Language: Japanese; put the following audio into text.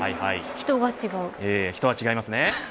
人は違いますね。